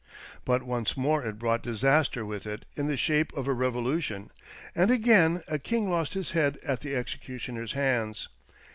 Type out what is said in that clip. But once more it brought disaster with it in the shape of a revolution, and again a king lost his head at the executioner's hands.